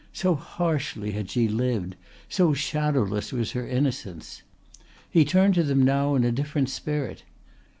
So harshly had she lived; so shadowless was her innocence. He turned to them now in a different spirit.